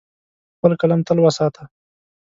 خپل قلم تل وساته.